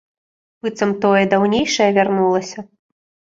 Быццам тое даўнейшае вярнулася.